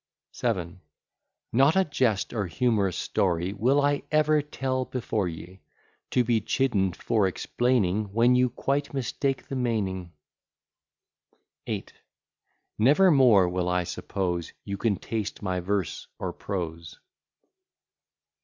VII Not a jest or humorous story Will I ever tell before ye: To be chidden for explaining, When you quite mistake the meaning. VIII Never more will I suppose, You can taste my verse or prose.